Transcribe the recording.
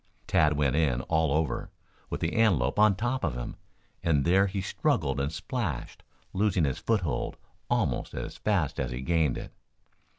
Tad went in all over, with the antelope on top of him, and there he struggled and splashed, losing his foothold almost as fast as he gained it.